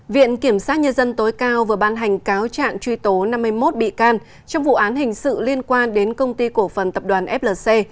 viện kiểm sát nhân dân tối cao vừa ban hành cáo trạng truy tố năm mươi một bị can trong vụ án hình sự liên quan đến công ty cổ phần tập đoàn flc